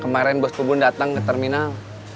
kemarin bos kebun datang ke terminal